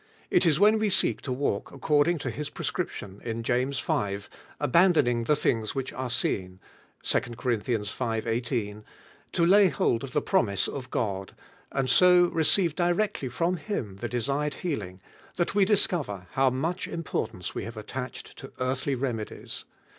It is when we seek to walk according to His prescription in James 5, abandon big the things which Eire seen (II. Car. v. 18) to lay hold erf the promise of God, ami so receive directly from Him the de sired healing, that we discover how much importance we have attached to earthly remedies.